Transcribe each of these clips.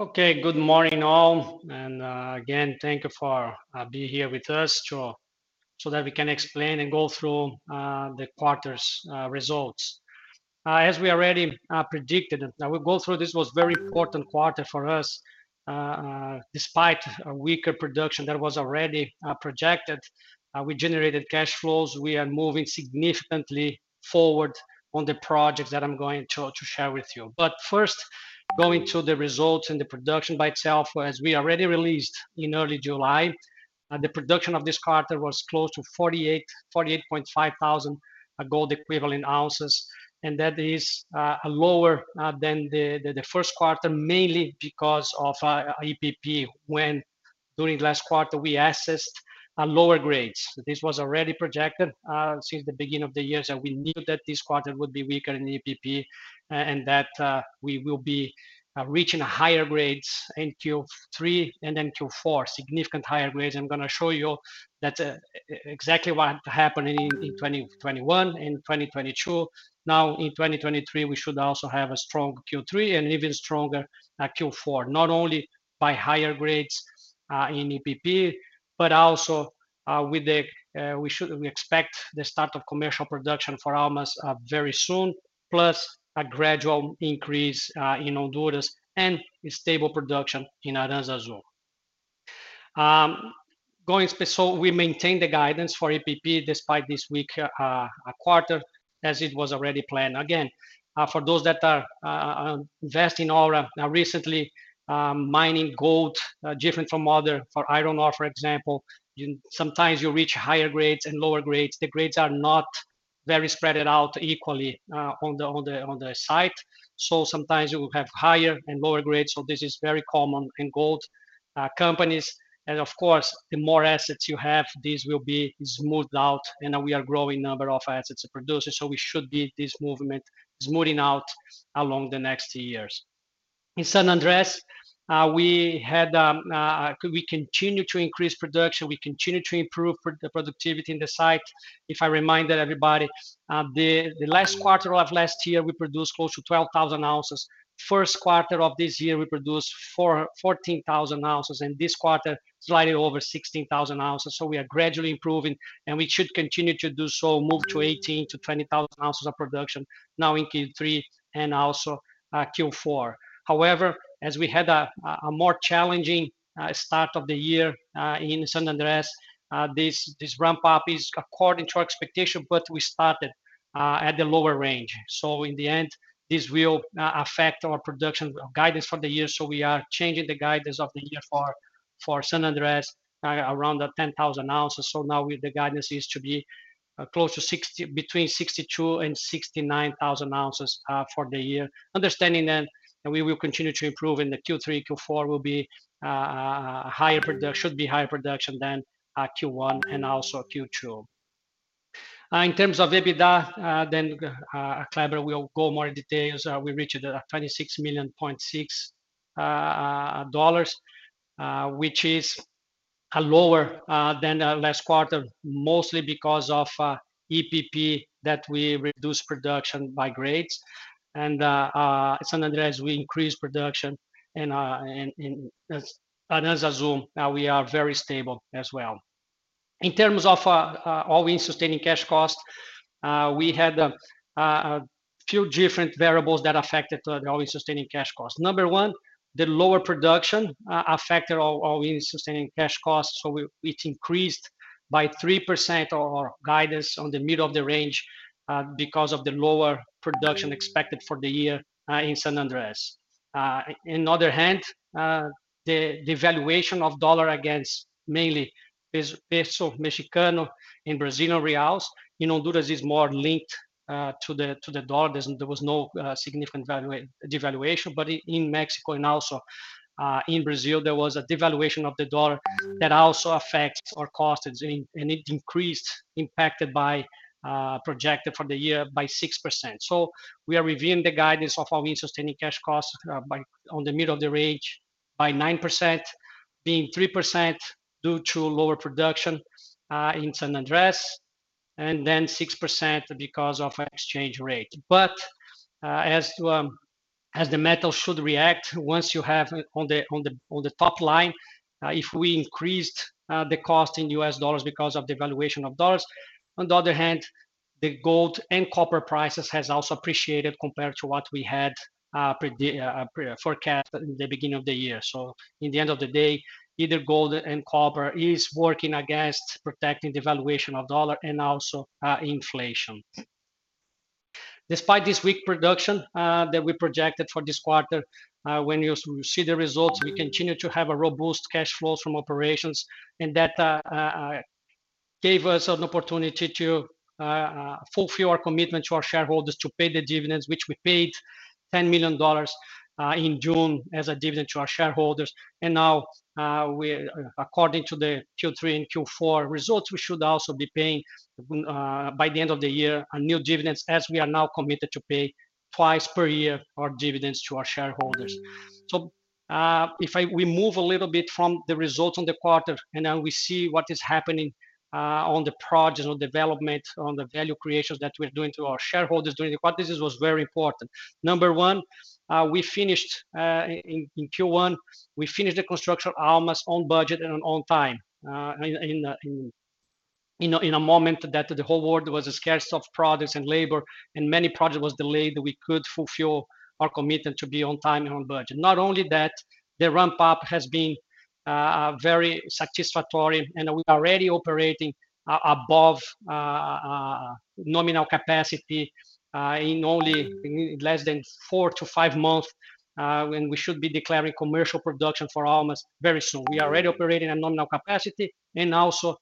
Okay, good morning, all, again, thank you for being here with us to, so that we can explain and go through the quarter's results. As we already predicted, now we go through this was very important quarter for us. Despite a weaker production that was already projected, we generated cash flows. We are moving significantly forward on the projects that I'm going to, to share with you. First, going to the results and the production by itself, as we already released in early July, the production of this quarter was close to 48, 48.5 thousand gold equivalent ounces, and that is lower than the first quarter, mainly because of EPP, when during last quarter we assessed lower grades. This was already projected since the beginning of the year. We knew that this quarter would be weaker in EPP, and that we will be reaching higher grades in Q3 and in Q4, significant higher grades. I'm gonna show you that's exactly what happened in 2021 and 2022. In 2023, we should also have a strong Q3 and even stronger Q4, not only by higher grades in EPP, but also. We expect the start of commercial production for Almas very soon, plus a gradual increase in Honduras and a stable production in Arantzazu. We maintain the guidance for EPP despite this weaker quarter, as it was already planned. Again, for those that are, invest in Aura, now, recently, mining gold, different from other, for iron ore, for example, you sometimes you reach higher grades and lower grades. The grades are not very spread out equally, on the, on the, on the site, so sometimes you will have higher and lower grades. This is very common in gold, companies, and of course, the more assets you have, this will be smoothed out, and we are growing number of assets and producers, so we should see this movement smoothing out along the next years. In San Andres, we had, we continue to increase production, we continue to improve the productivity in the site. If I remind everybody, the, the last quarter of last year, we produced close to 12,000 ounces. First quarter of this year, we produced 14,000 ounces, and this quarter, slightly over 16,000 ounces. We are gradually improving, and we should continue to do so, move to 18,000-20,000 ounces of production now in Q3 and also Q4. However, as we had a more challenging start of the year in San Andres, this ramp-up is according to our expectation, but we started at the lower range. In the end, this will affect our production guidance for the year. We are changing the guidance of the year for San Andres, around 10,000 ounces. Now with the guidance is to be close to 62,000-69,000 ounces for the year. Understanding that we will continue to improve, and the Q3, Q4 will be higher production should be higher production than Q1 and also Q2. In terms of EBITDA, Cleber will go more in details. We reached $26.6 million, which is lower than the last quarter, mostly because of EPP, that we reduced production by grades. San Andres, we increased production, and in Arantzazu, now we are very stable as well. In terms of all-in sustaining cash costs, we had a few different variables that affected the all-in sustaining cash costs. Number one, the lower production affected our all-in sustaining cash costs, it increased by 3% our guidance on the middle of the range because of the lower production expected for the year in San Andres. In other hand, the valuation of dollar against mainly Mexican peso and Brazilian reais. In Honduras is more linked to the dollar. There was no significant devaluation, in Mexico and also in Brazil, there was a devaluation of the dollar that also affects our costs, and it increased, impacted by projected for the year by 6%. We are reviewing the guidance of our all-in sustaining cash costs on the middle of the range by 9%, being 3% due to lower production in San Andres, and 6% because of exchange rate. As to, as the metal should react, once you have on the, on the, on the top line, if we increased the cost in U.S. dollars because of the valuation of dollars, on the other hand, the gold and copper prices has also appreciated compared to what we had, predi- pre- forecast at the beginning of the year. In the end of the day, either gold and copper is working against protecting the valuation of dollar and also, inflation. Despite this weak production, that we projected for this quarter, when you see the results, we continue to have a robust cash flows from operations, and that gave us an opportunity to fulfill our commitment to our shareholders to pay the dividends, which we paid $10 million in June as a dividend to our shareholders. Now, according to the Q3 and Q4 results, we should also be paying, by the end of the year, a new dividends, as we are now committed to pay twice per year our dividends to our shareholders. If we move a little bit from the results on the quarter, and now we see what is happening, on the projects or development, on the value creations that we're doing to our shareholders during the quarter, this was very important. Number one, we finished, in Q1, we finished the construction of Almas on budget and on time, you know, in a moment that the whole world was a scarce of products and labor, and many project was delayed, we could fulfill our commitment to be on time and on budget. Not only that, the ramp-up has been very satisfactory, and we're already operating above nominal capacity in only less than 4-5 months, when we should be declaring commercial production for Almas very soon. We are already operating at nominal capacity, and also,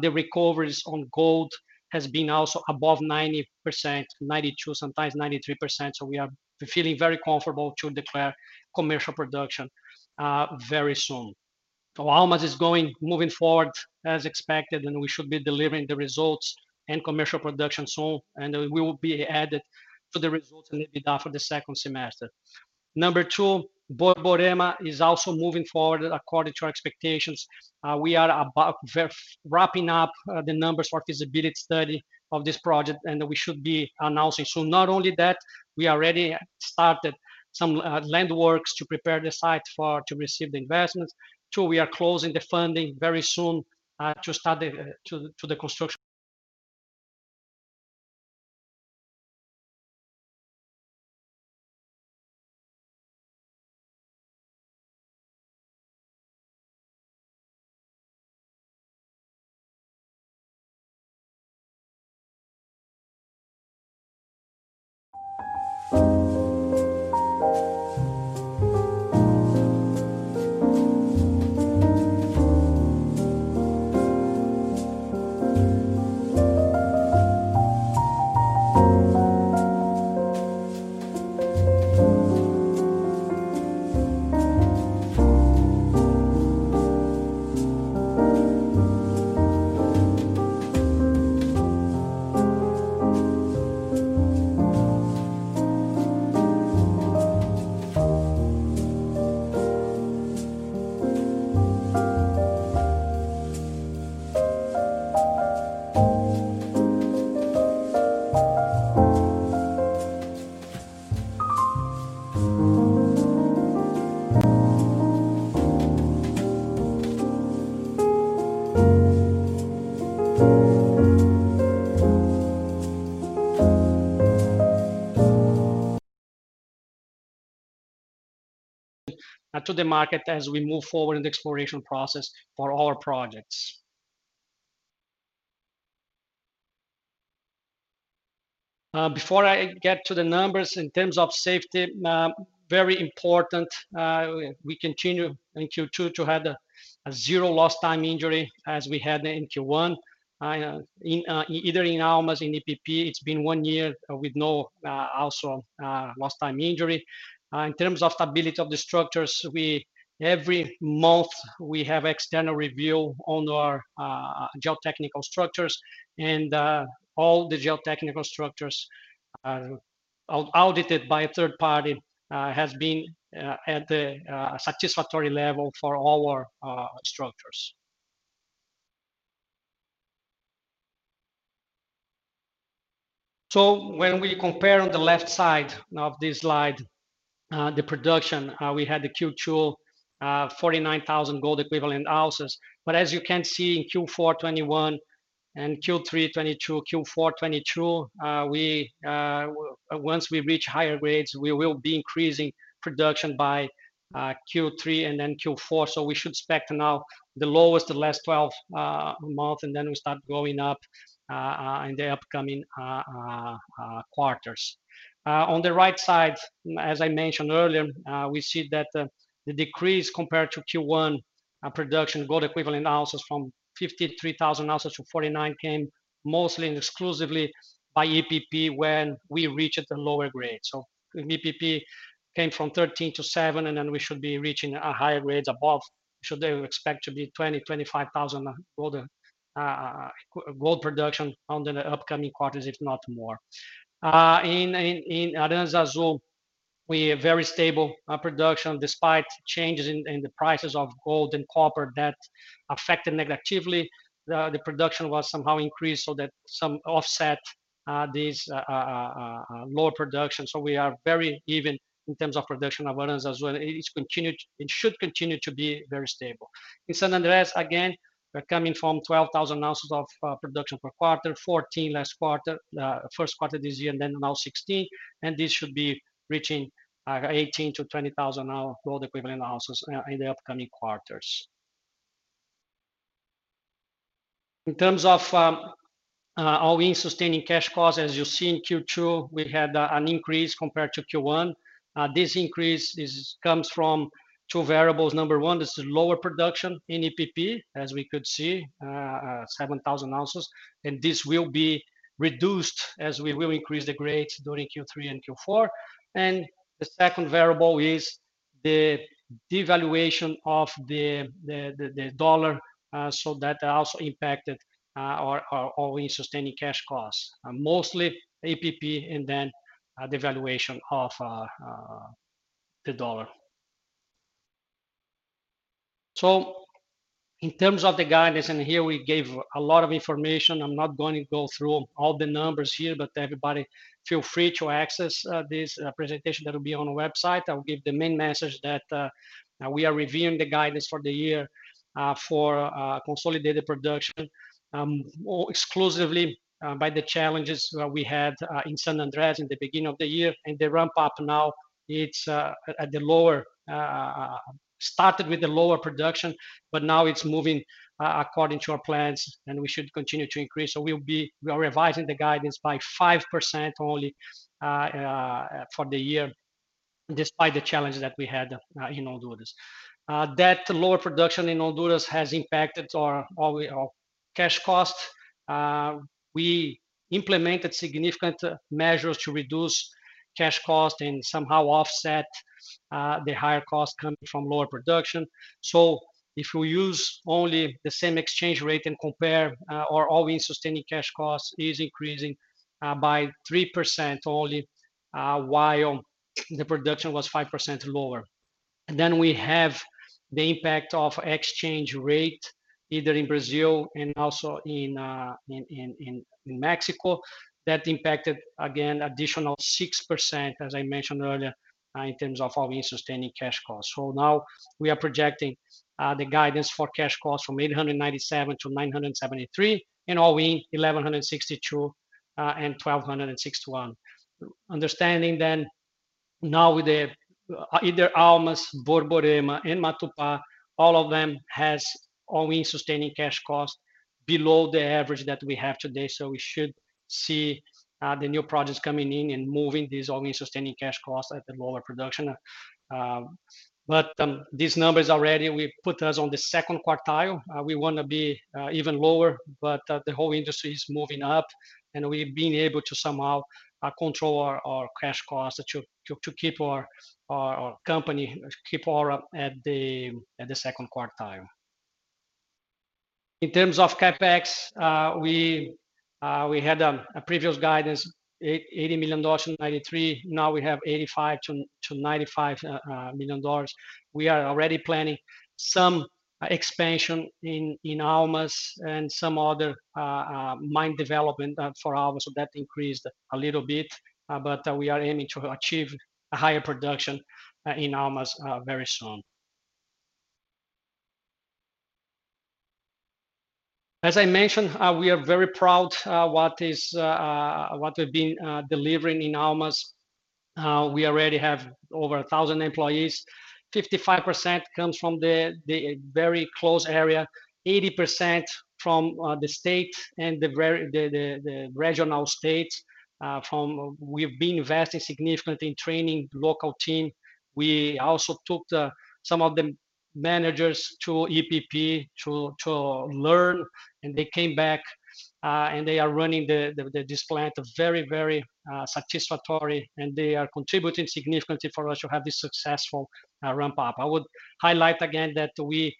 the recoveries on gold has been also above 90%, 92%, sometimes 93%, we are feeling very comfortable to declare commercial production very soon. Almas is going, moving forward as expected, and we should be delivering the results and commercial production soon, and we will be added to the results in EBITDA for the second semester. Number two, Borborema is also moving forward according to our expectations. We are about wrapping up the numbers for feasibility study of this project, and we should be announcing soon. Not only that, we already started some land works to prepare the site to receive the investments. Two, we are closing the funding very soon to start the to the construction. To the market as we move forward in the exploration process for all our projects. Before I get to the numbers, in terms of safety, very important, we continue in Q2 to have a zero lost time injury as we had in Q1. In either in Almas, in EPP, it's been one year with no also lost time injury. In terms of stability of the structures, every month, we have external review on our geotechnical structures, and all the geotechnical structures are audited by a third party, has been at a satisfactory level for all our structures. When we compare on the left side of this slide, the production, we had the Q2 49,000 gold equivalent ounces. As you can see, in Q4 2021 and Q3 2022, Q4 2022, we once we reach higher grades, we will be increasing production by Q3 and then Q4. We should expect now the lowest the last 12 months, and then we start going up in the upcoming quarters. On the right side, as I mentioned earlier, we see that the, the decrease compared to Q1 production, gold equivalent ounces from 53,000 ounces to 49,000, came mostly and exclusively by EPP when we reached the lower grade. In EPP came from 13,000 to 7,000, and then we should be reaching a higher grades above. Should they expect to be 20,000-25,000 gold production on the, the upcoming quarters, if not more. In Arantzazu, we are very stable production, despite changes in, in the prices of gold and copper that affected negatively, the production was somehow increased so that some offset these lower production. We are very even in terms of production of Arantzazu. It should continue to be very stable. In San Andres, again, we're coming from 12,000 ounces of production per quarter, 14 last quarter, first quarter this year, and then now 16, and this should be reaching 18,000-20,000 now, gold equivalent ounces in, in the upcoming quarters. In terms of all-in sustaining cash costs, as you see in Q2, we had an increase compared to Q1. This increase comes from two variables. Number one is the lower production in EPP, as we could see 7,000 ounces, and this will be reduced as we will increase the grades during Q3 and Q4. The second variable is the devaluation of the dollar, so that also impacted our all-in sustaining cash costs, mostly EPP and then the valuation of the dollar.... In terms of the guidance, and here we gave a lot of information. I'm not going to go through all the numbers here, but everybody feel free to access this presentation that will be on the website. I'll give the main message that we are reviewing the guidance for the year for consolidated production, more exclusively by the challenges that we had in San Andres in the beginning of the year. The ramp up now, it's at the lower, started with the lower production, but now it's moving according to our plans, and we should continue to increase. We are revising the guidance by 5% only for the year, despite the challenges that we had in Honduras. That lower production in Honduras has impacted our, our, our cash cost. We implemented significant measures to reduce cash cost and somehow offset the higher cost coming from lower production. If we use only the same exchange rate and compare, our all-in sustaining cash cost is increasing by 3% only, while the production was 5% lower. Then we have the impact of exchange rate, either in Brazil and also in Mexico. That impacted, again, additional 6%, as I mentioned earlier, in terms of our all-in sustaining cash costs. Now we are projecting the guidance for cash costs from $897-$973, and all-in, $1,162-$1,261. Understanding, now with the, either Almas, Borborema and Matupá, all of them has all-in sustaining cash cost below the average that we have today. We should see the new projects coming in and moving these all-in sustaining cash costs at the lower production. These numbers already, we've put us on the second quartile. We want to be even lower, but the whole industry is moving up, and we've been able to somehow control our cash costs to keep our company, to keep our at the second quartile. In terms of CapEx, we had a previous guidance, $80 million and $93 million. Now we have $85 million-$95 million. We are already planning some expansion in, in Almas and some other mine development for Almas, so that increased a little bit. We are aiming to achieve a higher production in Almas very soon. As I mentioned, we are very proud what is what we've been delivering in Almas. We already have over 1,000 employees. 55% comes from the very close area, 80% from the state and the regional states. We've been investing significantly in training local team. We also took some of the managers to EPP to learn, and they came back, and they are running this plant very, very satisfactory, and they are contributing significantly for us to have this successful ramp-up. I would highlight again that we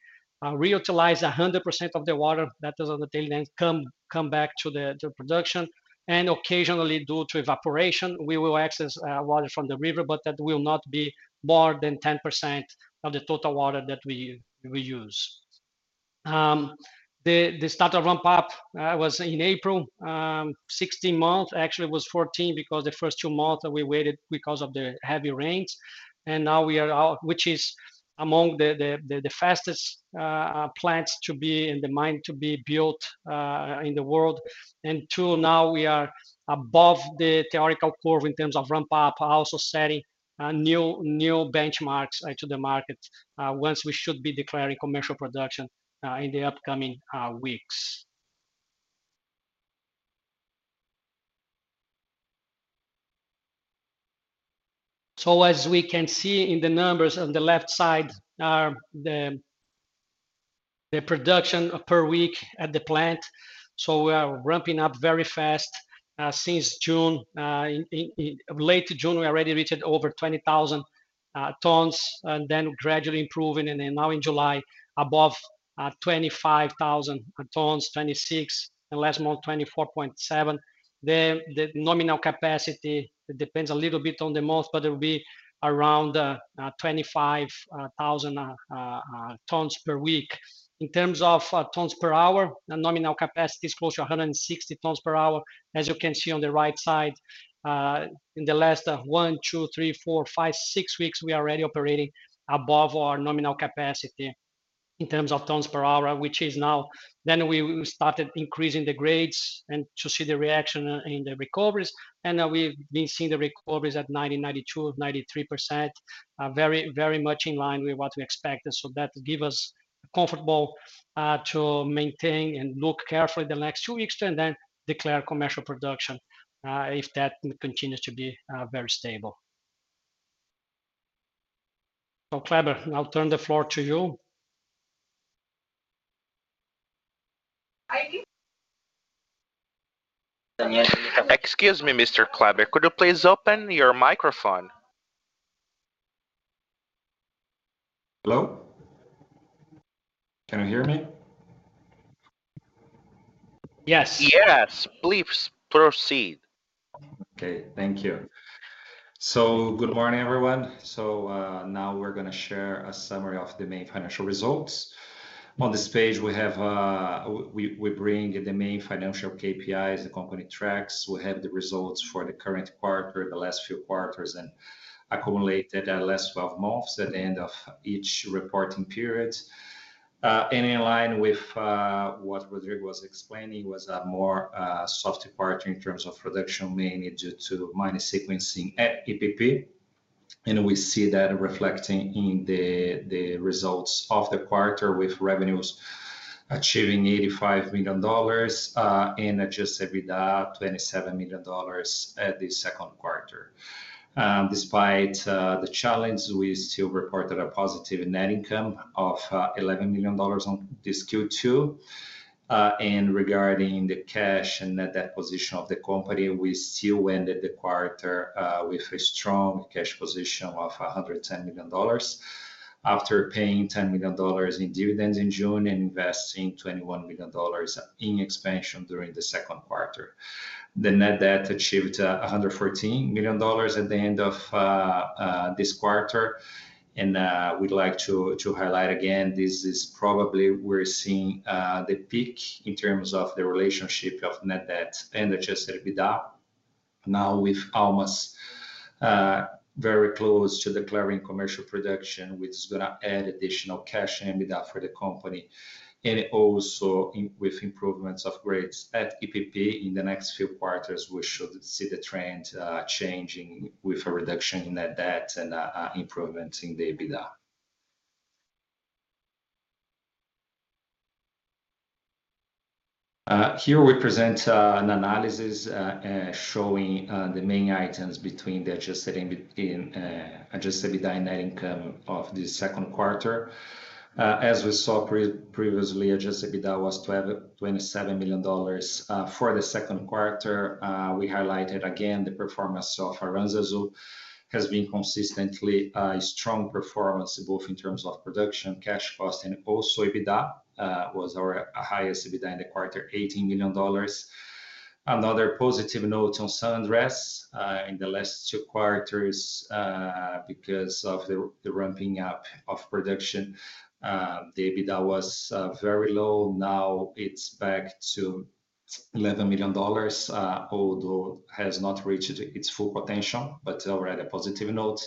reutilize 100% of the water that is on the tail end, come, come back to the, the production. Occasionally, due to evaporation, we will access water from the river, but that will not be more than 10% of the total water that we, we use. The, the start of ramp-up was in April. 16 months, actually it was 14, because the first two months we waited because of the heavy rains, and now we are out, which is among the, the, the fastest plants to be in the mine to be built in the world. Till now, we are above the theoretical curve in terms of ramp-up, also setting new, new benchmarks to the market, once we should be declaring commercial production in the upcoming weeks. As we can see in the numbers on the left side, are the production per week at the plant. We are ramping up very fast since June. In late June, we already reached over 20,000 tons, and then gradually improving, and then now in July, above 25,000 tons, 26, and last month, 24.7. The nominal capacity depends a little bit on the month, but it will be around 25,000 tons per week. In terms of tons per hour, the nominal capacity is close to 160 tons per hour. As you can see on the right side, in the last one, two, three, four, five, six weeks, we are already operating above our nominal capacity in terms of tons per hour. We, we started increasing the grades and to see the reaction in the recoveries, and now we've been seeing the recoveries at 90, 92, 93%. Very, very much in line with what we expected. That give us comfortable to maintain and look carefully the next two weeks, and then declare commercial production if that continues to be very stable. Cleber, I'll turn the floor to you. Excuse me, Mr. Cleber, could you please open your microphone? Hello? Can you hear me? Yes. Yes, please proceed. Okay, thank you. Good morning, everyone. Now we're gonna share a summary of the main financial results. On this page, we bring the main financial KPIs the company tracks. We have the results for the current quarter, the last few quarters, and accumulated the last 12 months at the end of each reporting period. In line with what Rodrigo was explaining, was a more soft departure in terms of production, mainly due to mine sequencing at EPP. We see that reflecting in the results of the quarter, with revenues achieving $85 million and adjusted EBITDA, $27 million at the second quarter. Despite the challenge, we still reported a positive net income of $11 million on this Q2. Regarding the cash and net debt position of the company, we still ended the quarter with a strong cash position of $110 million, after paying $10 million in dividends in June and investing $21 million in expansion during the second quarter. The net debt achieved $114 million at the end of this quarter, and we'd like to highlight again, this is probably we're seeing the peak in terms of the relationship of net debt and adjusted EBITDA. Now, with Almas very close to declaring commercial production, which is gonna add additional cash and EBITDA for the company. Also, with improvements of grades at EPP, in the next few quarters, we should see the trend changing with a reduction in net debt and a improvement in the EBITDA. Here we present an analysis showing the main items between the adjusted and adjusted EBITDA and net income of the second quarter. As we saw previously, adjusted EBITDA was $27 million. For the second quarter, we highlighted again the performance of Arantzazu, has been consistently a strong performance, both in terms of production, cash cost, and also EBITDA, was our highest EBITDA in the quarter, $18 million. Another positive note on San Andres, in the last two quarters, because of the ramping up of production, the EBITDA was very low. Now it's back to $11 million, although has not reached its full potential, but still, we're at a positive note.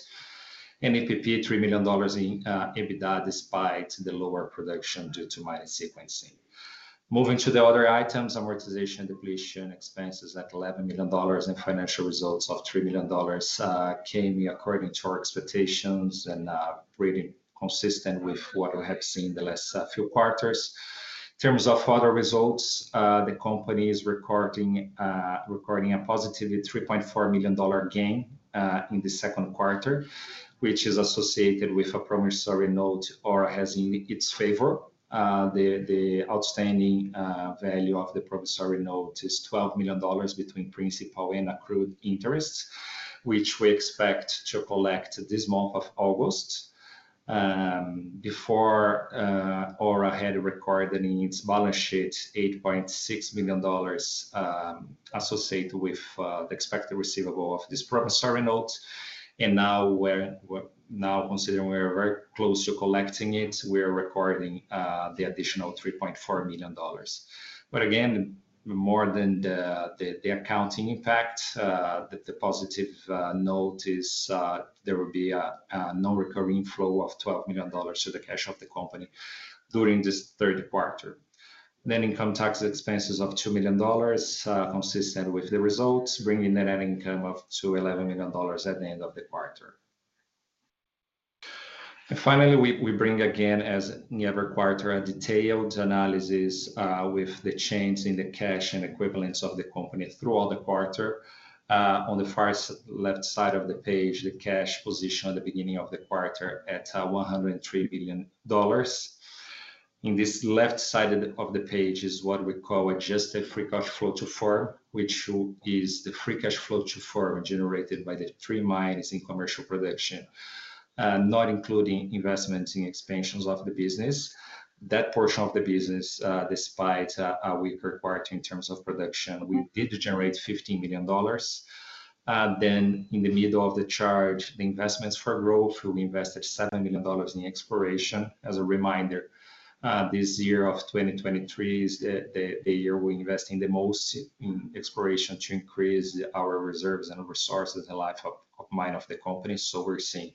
EPP, $3 million in EBITDA, despite the lower production due to mine sequencing. Moving to the other items, amortization and depletion expenses at $11 million and financial results of $3 million came in according to our expectations and really consistent with what we have seen the last few quarters. In terms of other results, the company is recording a positive $3.4 million gain in the second quarter, which is associated with a promissory note Aura has in its favor. The outstanding value of the promissory note is $12 million between principal and accrued interest, which we expect to collect this month of August. Before Aura had recorded in its balance sheet $8.6 million associated with the expected receivable of this promissory note. Now considering we're very close to collecting it, we're recording the additional $3.4 million. Again, more than the accounting impact, the positive note is there will be a non-recurring flow of $12 million to the cash of the company during this third quarter. Net income tax expenses of $2 million, consistent with the results, bringing net income up to $11 million at the end of the quarter. Finally, we bring again, as in every quarter, a detailed analysis with the change in the cash and equivalence of the company through all the quarter. On the far left side of the page, the cash position at the beginning of the quarter at $103 million. In this left side of the, of the page is what we call adjusted free cash flow to Firm, which is the free cash flow to Firm generated by the three mines in commercial production, not including investments in expansions of the business. That portion of the business, despite a, a weaker quarter in terms of production, we did generate $50 million. Then in the middle of the chart, the investments for growth, we invested $7 million in exploration. As a reminder, this year of 2023 is the, the, the year we're investing the most in exploration to increase our reserves and resources and life of, of mine of the company. We're seeing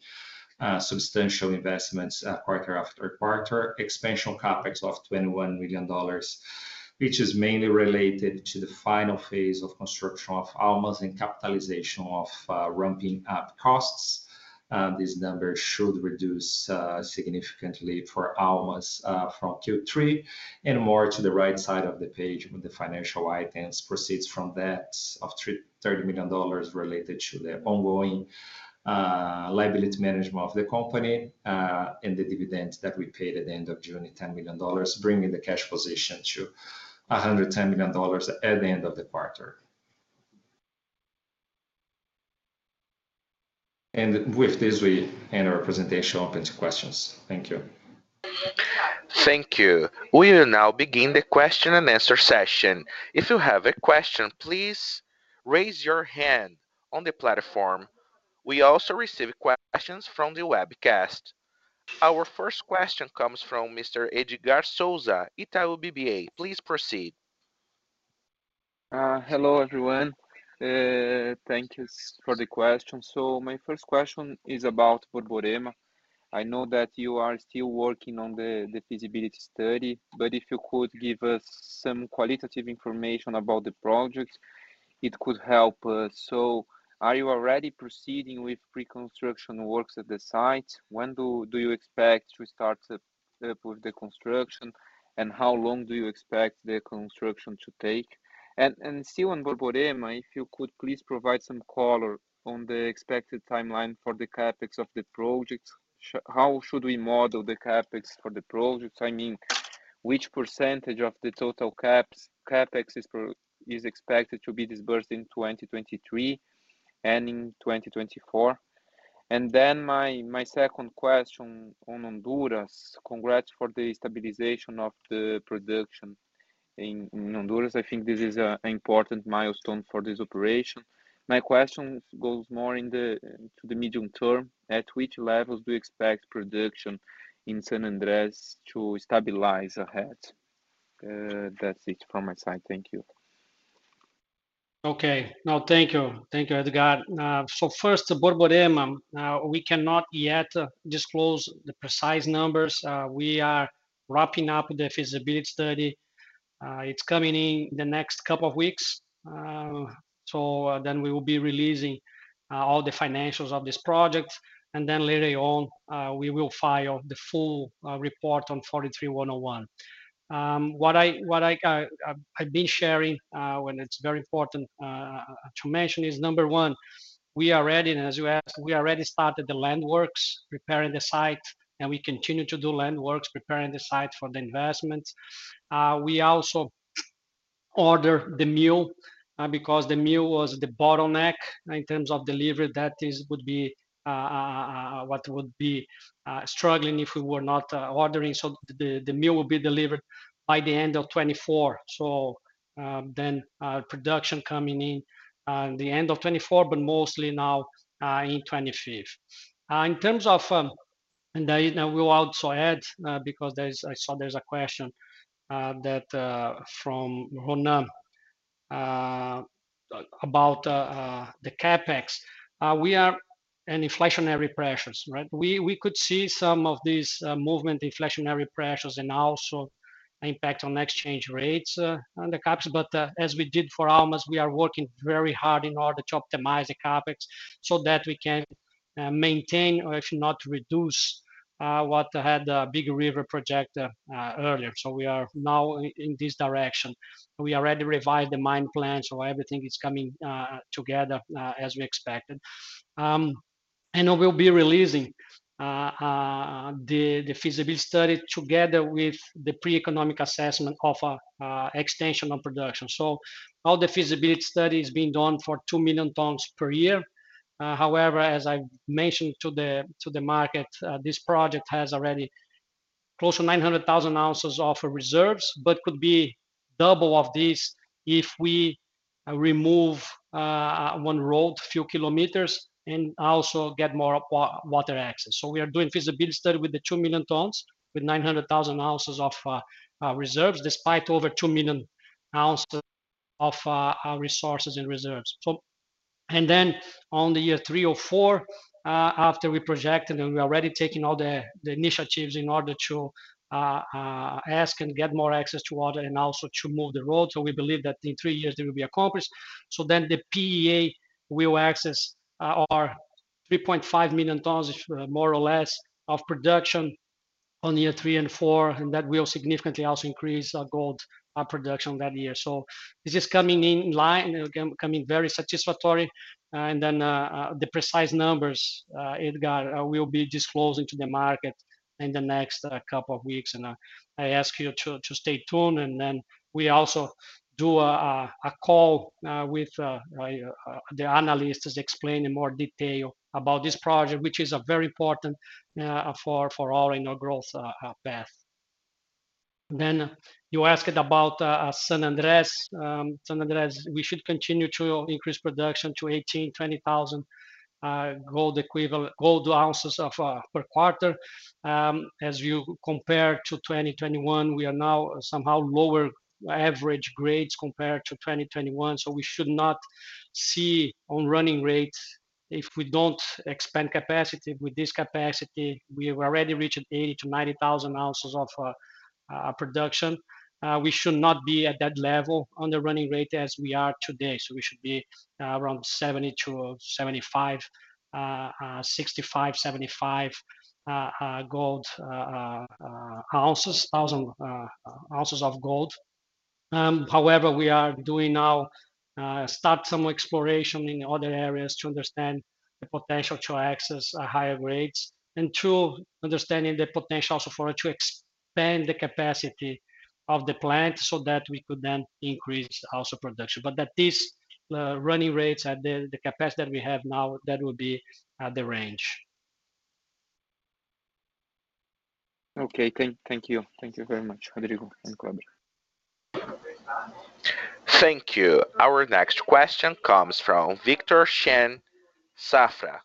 substantial investments, quarter after quarter. Expansion CapEx of $21 million, which is mainly related to the final phase of construction of Almas and capitalization of ramping up costs. This number should reduce significantly for Almas from Q3. More to the right side of the page with the financial items, proceeds from debts of $30 million related to the ongoing liability management of the company, and the dividends that we paid at the end of June, $10 million, bringing the cash position to $110 million at the end of the quarter. With this, we end our presentation, open to questions. Thank you. Thank you. We will now begin the question and answer session. If you have a question, please raise your hand on the platform. We also receive questions from the webcast. Our first question comes from Mr. Edgard Souza, Itaú BBA. Please proceed. Hello, everyone. Thank you for the question. My first question is about Borborema. I know that you are still working on the feasibility study, but if you could give us some qualitative information about the project, it could help us. Are you already proceeding with pre-construction works at the site? When do you expect to start with the construction, and how long do you expect the construction to take? Still on Borborema, if you could please provide some color on the expected timeline for the CapEx of the project. How should we model the CapEx for the project? I mean, which % of the total CapEx is expected to be disbursed in 2023 and in 2024? My second question on Honduras. Congrats for the stabilization of the production in Honduras. I think this is an important milestone for this operation. My question goes more to the medium term. At which levels do you expect production in San Andres to stabilize ahead? That's it from my side. Thank you. Okay. No, thank you. Thank you, Edgard. First, Borborema. We cannot yet disclose the precise numbers. We are wrapping up the feasibility study. It's coming in the next couple weeks. Then we will be releasing all the financials of this project, and then later on, we will file the full report on 43-101. What I've been sharing, and it's very important to mention is, number one, we already-- as you asked, we already started the land works, preparing the site, and we continue to do land works, preparing the site for the investment. We also order the mill, because the mill was the bottleneck in terms of delivery. That is, what would be struggling if we were not ordering. The mill will be delivered by the end of 2024. Production coming in the end of 2024, but mostly now in 2025. In terms of... I will also add, because I saw there's a question that from Rona about the CapEx. We are in inflationary pressures, right? We, we could see some of these movement, inflationary pressures, and also impact on exchange rates on the CapEx. As we did for Almas, we are working very hard in order to optimize the CapEx so that we can maintain or if not reduce what had Big River project earlier. We are now in this direction. We already revised the mine plan, so everything is coming together as we expected. We'll be releasing the feasibility study together with the pre-economic assessment of extension of production. All the feasibility study is being done for 2 million tons per year. However, as I mentioned to the market, this project has already close to 900,000 ounces of reserves, but could be double of this if we remove one road, few kilometers, and also get more water access. We are doing feasibility study with the 2 million tons, with 900,000 ounces of reserves, despite over 2 million ounces of resources and reserves. On the year three or four, after we projected, and we are already taking all the initiatives in order to ask and get more access to water and also to move the road. We believe that in three years, it will be accomplished. The PEA will access our 3.5 million tons, more or less, of production on year three and four, and that will significantly also increase our gold production that year. This is coming in line, and again, coming very satisfactory. The precise numbers, Edgar, we'll be disclosing to the market in the next couple of weeks. I ask you to stay tuned, then we also do a call with the analysts to explain in more detail about this project, which is a very important for our, you know, growth path. You asked about San Andres. San Andres, we should continue to increase production to 18,000-20,000 gold equivalent gold ounces per quarter. As you compare to 2021, we are now somehow lower average grades compared to 2021, so we should not see on running rates if we don't expand capacity. With this capacity, we have already reached 80,000-90,000 ounces production. We should not be at that level on the running rate as we are today. We should be around 70-75, 65, 75 thousand ounces of gold. We are doing now, start some exploration in other areas to understand the potential to access higher grades and to understanding the potential also for to expand the capacity of the plant so that we could then increase also production. At these running rates and the capacity that we have now, that will be at the range. Okay, thank you. Thank you very much, Rodrigo and Kleber. Thank you. Our next question comes from Victor Shen, Safra.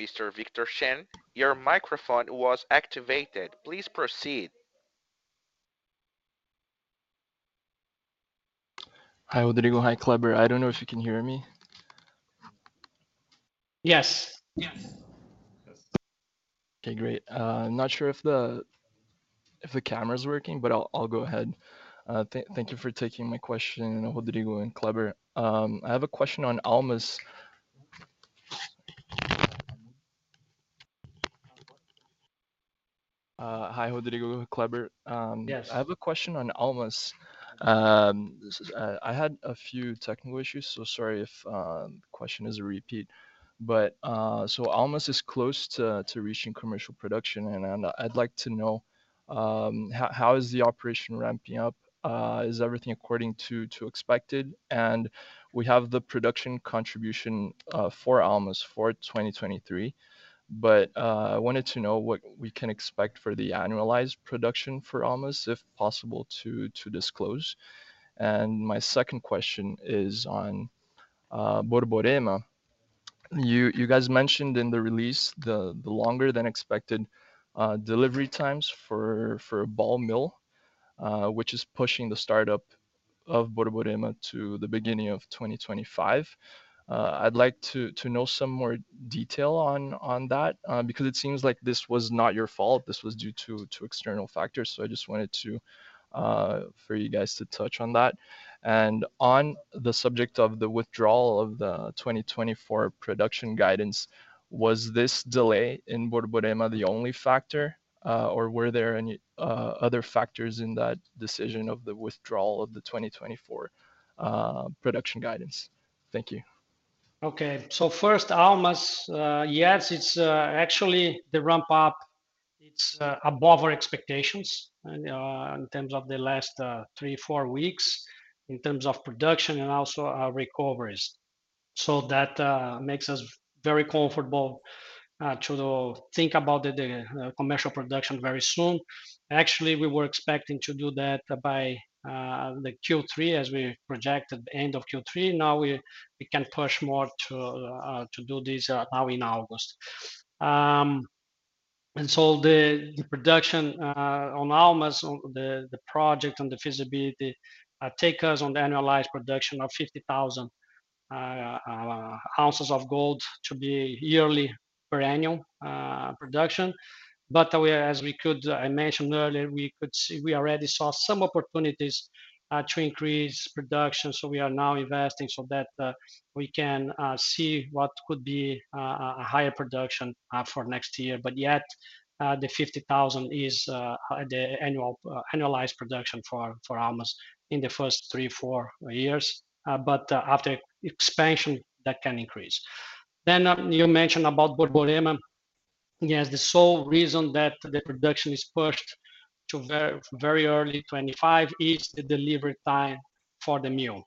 Mr. Victor Shen, your microphone was activated. Please proceed. Hi, Rodrigo. Hi, Kleber. I don't know if you can hear me? Yes. Yes. Okay, great. I'm not sure if the, if the camera's working, but I'll, I'll go ahead. Thank, thank you for taking my question, Rodrigo and Kleber. I have a question on Almas. Hi, Rodrigo, Kleber. Yes. I have a question on Almas. I had a few technical issues, sorry if the question is a repeat. Almas is close to reaching commercial production, and I, I'd like to know how, how is the operation ramping up? Is everything according to expected? We have the production contribution for Almas for 2023, I wanted to know what we can expect for the annualized production for Almas, if possible, to disclose. My second question is on Borborema. You, you guys mentioned in the release the longer-than-expected delivery times for a ball mill, which is pushing the startup of Borborema to the beginning of 2025. I'd like to know some more detail on that, because it seems like this was not your fault. This was due to external factors, so I just wanted to for you guys to touch on that. On the subject of the withdrawal of the 2024 production guidance, was this delay in Borborema the only factor, or were there any other factors in that decision of the withdrawal of the 2024 production guidance? Thank you. Okay. First, Almas. Yes, it's actually the ramp-up, it's above our expectations, in terms of the last three to four weeks, in terms of production and also our recoveries. That makes us very comfortable to think about the commercial production very soon. Actually, we were expecting to do that by the Q3, as we projected, the end of Q3. Now, we can push more to do this now in August. The production on Almas, on the project and the feasibility, take us on the annualized production of 50,000 ounces of gold to be yearly per annual production. We are... As I mentioned earlier, we could see, we already saw some opportunities to increase production, so we are now investing so that we can see what could be a higher production for next year. But yet, the 50,000 is the annual annualized production for for Almas in the first three to four years. But after expansion, that can increase. You mentioned about Borborema. Yes, the sole reason that the production is pushed to very, very early 2025 is the delivery time for the mill.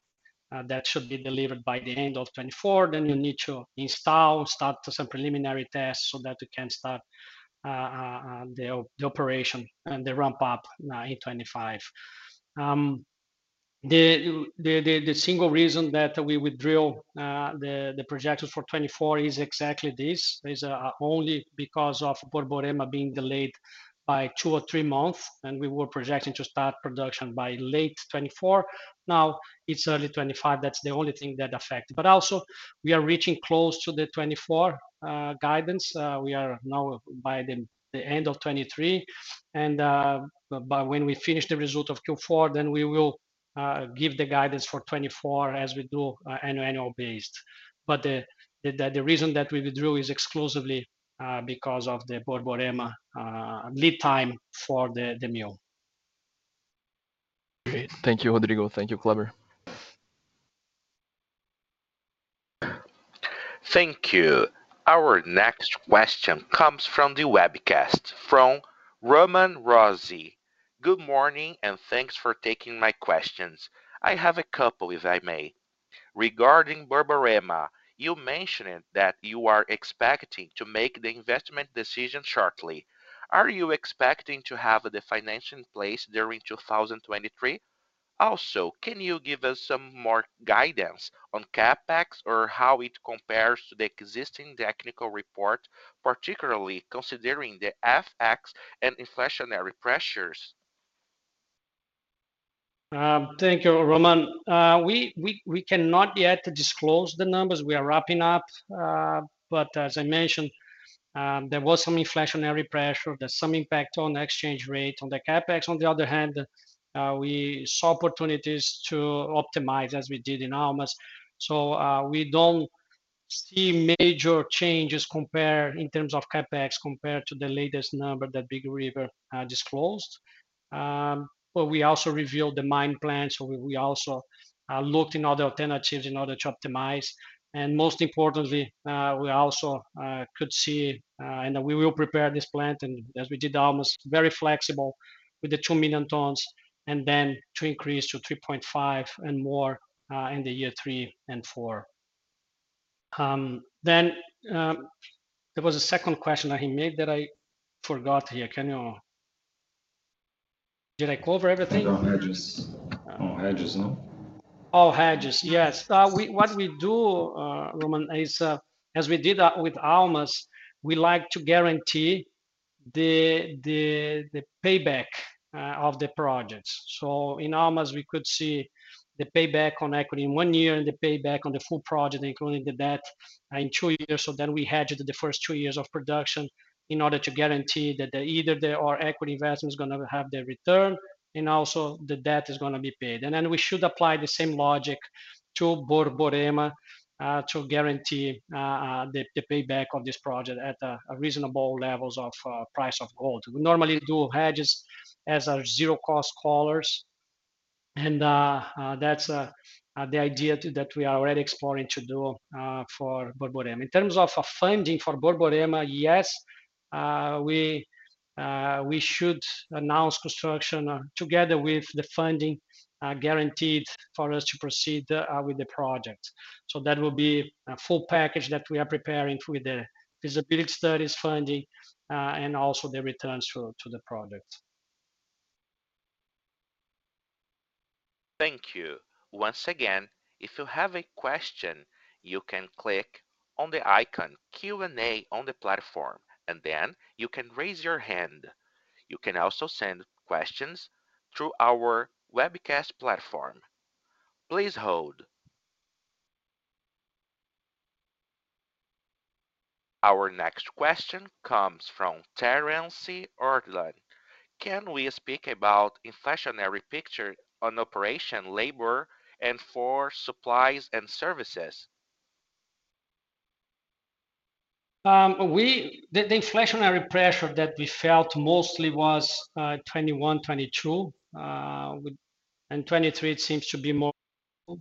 That should be delivered by the end of 2024, then you need to install, start some preliminary tests so that we can start the operation and the ramp-up in 2025. The, the, the, the single reason that we withdrew the, the projections for 2024 is exactly this. This is only because of Borborema being delayed by two or three months, and we were projecting to start production by late 2024. Now, it's early 2025. That's the only thing that affect. Also, we are reaching close to the 2024 guidance. We are now by the, the end of 2023, and by when we finish the result of Q4, then we will give the guidance for 2024, as we do annual, annual based. The, the, the reason that we withdrew is exclusively because of the Borborema lead time for the, the mill. Great. Thank you, Rodrigo. Thank you, Kleber. Thank you. Our next question comes from the webcast, from Roman Rossi. Good morning. Thanks for taking my questions. I have a couple, if I may. Regarding Borborema, you mentioned that you are expecting to make the investment decision shortly. Are you expecting to have the financing in place during 2023? Can you give us some more guidance on CapEx or how it compares to the existing technical report, particularly considering the FX and inflationary pressures? Thank you, Roman. We cannot yet disclose the numbers. We are wrapping up. As I mentioned, there was some inflationary pressure. There's some impact on the exchange rate. On the CapEx, on the other hand, we saw opportunities to optimize as we did in Almas. We don't see major changes compared in terms of CapEx, compared to the latest number that Big River disclosed. We also revealed the mine plan. We also looked in other alternatives in order to optimize. Most importantly, we also could see, and we will prepare this plant, and as we did Almas, very flexible with the 2 million tons, and then to increase to 3.5 and more in the year three and four. There was a second question that he made that I forgot here. Can you- Did I cover everything? About hedges. On hedges, no? hat we do, Roman, is, as we did with Almas, we like to guarantee the payback of the projects. So in Almas, we could see the payback on equity in one year, and the payback on the full project, including the debt, in two years. So we hedged the first two years of production in order to guarantee that either our equity investment is going to have the return and also the debt is going to be paid. And we should apply the same logic to Borborema to guarantee the payback of this project at reasonable levels of price of gold. We normally do hedges as our zero-cost collars, and that's the idea that we are already exploring to do for Borborema. In terms of funding for Borborema, yes, we, we should announce construction, together with the funding, guaranteed for us to proceed, with the project. That will be a full package that we are preparing with the feasibility studies funding, and also the returns to, to the project. Thank you. Once again, if you have a question, you can click on the icon Q&A on the platform, and then you can raise your hand. You can also send questions through our webcast platform. Please hold. Our next question comes from Terence Orland: Can we speak about inflationary picture on operation, labor, and for supplies and services? We... The, the inflationary pressure that we felt mostly was 2021, 2022, and 2023, it seems to be more.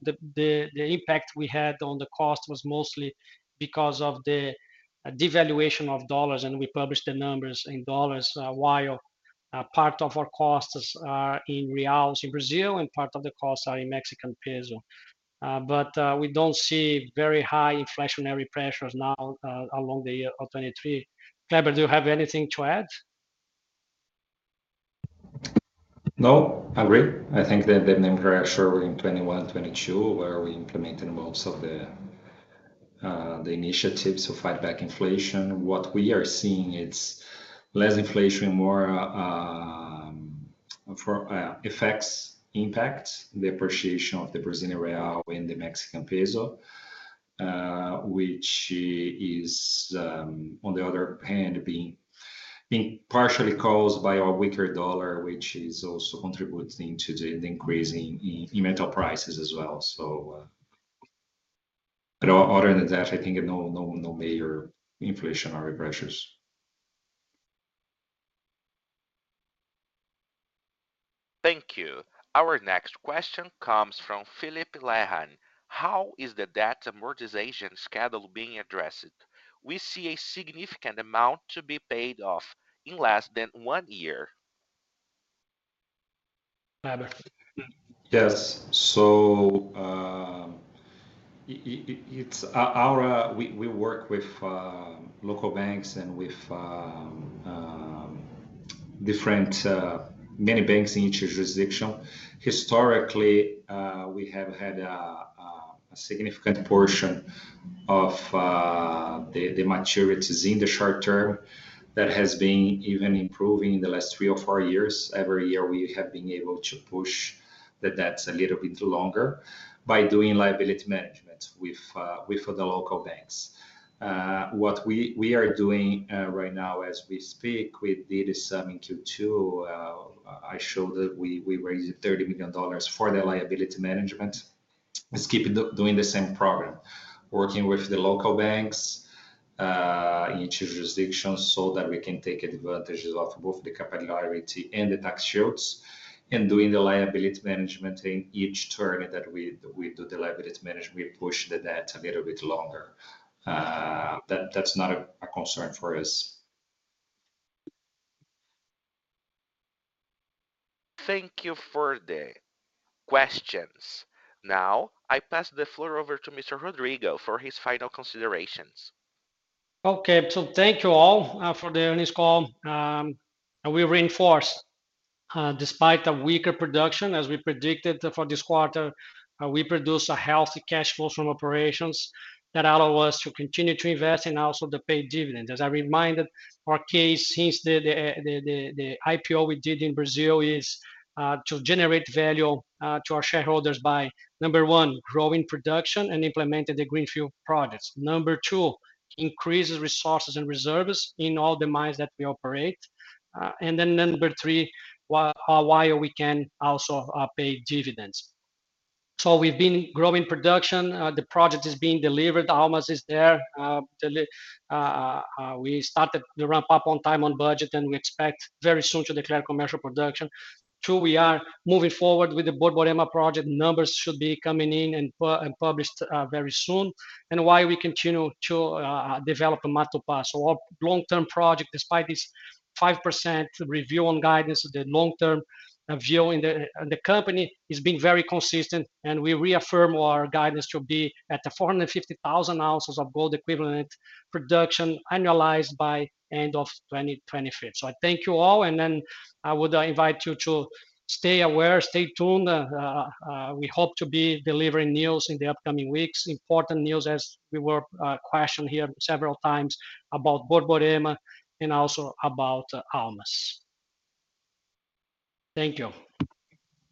The, the, the impact we had on the cost was mostly because of the devaluation of dollars, and we published the numbers in dollars, while part of our costs are in Brazilian reais in Brazil, and part of the costs are in Mexican peso. We don't see very high inflationary pressures now, along the year of 2023. Kleber, do you have anything to add? No, I agree. I think that the pressure in 2021, 2022, where we implemented most of the initiatives to fight back inflation. What we are seeing, it's less inflation, more for effects impact, the appreciation of the Brazilian real and the Mexican peso, which is on the other hand, being partially caused by our weaker dollar, which is also contributing to the increase in metal prices as well. Other than that, I think no, no, no major inflationary pressures. Thank you. Our next question comes from Philip Lehan: How is the debt amortization schedule being addressed? We see a significant amount to be paid off in less than one year. Kleber. Yes. It's our, we work with local banks and with different many banks in each jurisdiction. Historically, we have had a significant portion of the maturities in the short term that has been even improving in the last three or four years. Every year, we have been able to push the debts a little bit longer by doing liability management with the local banks. What we are doing right now as we speak, we did some in Q2. I showed that we raised $30 million for the liability management. Let's keep doing the same program, working with the local banks in each jurisdiction, so that we can take advantages of both the capital liability and the tax shields, and doing the liability management in each term that we do the liability management, we push the debt a little bit longer. That's not a concern for us. Thank you for the questions. Now, I pass the floor over to Mr. Rodrigo for his final considerations. Okay. Thank you all for the earnings call. We reinforce, despite a weaker production, as we predicted for this quarter, we produced a healthy cash flow from operations that allow us to continue to invest and also to pay dividends. As I reminded, our case since the IPO we did in Brazil is to generate value to our shareholders by number one, growing production and implementing the greenfield projects. Number two, increase resources and reserves in all the mines that we operate. Number three, while we can also pay dividends. We've been growing production. The project is being delivered. Almas is there. We started the ramp up on time, on budget, and we expect very soon to declare commercial production. Two, we are moving forward with the Borborema project. Numbers should be coming in and published, very soon. While we continue to develop Matupá. Our long-term project, despite this 5% review on guidance, the long-term view in the company is being very consistent, and we reaffirm our guidance to be at the 450,000 ounces of gold equivalent production, annualized by end of 2025. I thank you all, and then I would invite you to stay aware, stay tuned. We hope to be delivering news in the upcoming weeks. Important news, as we were questioned here several times about Borborema and also about Almas. Thank you.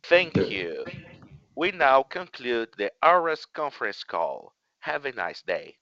Thank you. We now conclude the Aura Minerals' conference call. Have a nice day.